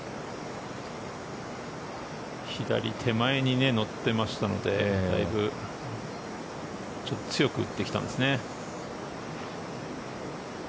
左手前に乗っていましたのでだいぶ強く打ってきたんですね。